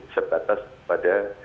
serta atas pada